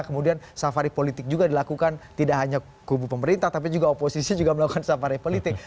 kemudian safari politik juga dilakukan tidak hanya kubu pemerintah tapi juga oposisi juga melakukan safari politik